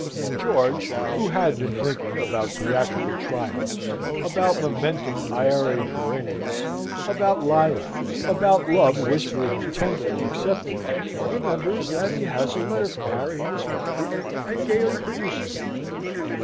George, who had been thinking about theatrical triumphs; about monumentum aere perennius; about lilacs; about love whispered and tenderly accepted, remembers that he has a letter from Harry in his pocket, and gaily produces it.